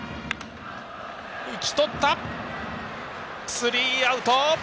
スリーアウト。